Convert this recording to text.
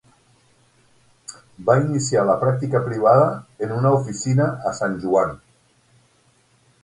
Va iniciar la pràctica privada en una oficina a San Juan.